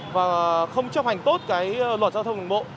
và không chấp hành tốt luật giao thông